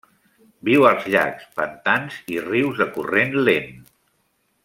Viu als llacs, pantans i rius de corrent lent.